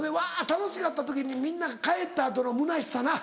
楽しかった時にみんなが帰った後のむなしさな。